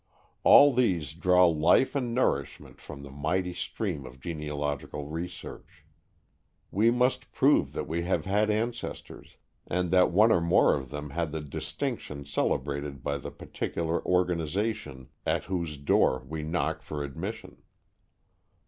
All these draw life and nourishment from the mighty stream of genealogical research. We must prove that we have had ancestors, and that one or more of them had the distinction celebrated by the particular organization at whose door we knock for admission.